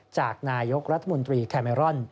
จากนายกรัฐมนตรีแคเมรอน